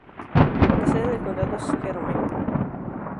La sede del condado es Jerome.